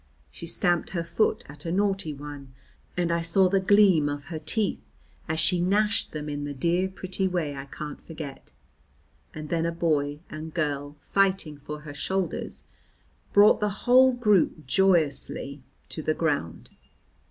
She stamped her foot at a naughty one, and I saw the gleam of her teeth as she gnashed them in the dear pretty way I can't forget; and then a boy and girl, fighting for her shoulders, brought the whole group joyously to the ground.